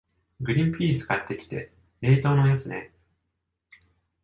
グリンピース買ってきて、冷凍のやつね。